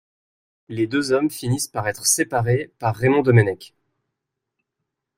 Les deux hommes finissent par être séparés par Raymond Domenech.